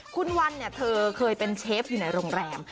คุณวันเนี่ยเธอเคยเป็นเชฟอยู่ในโรงแรม